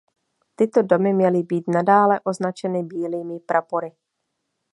Tyto domy měly být nadále označeny bílými prapory.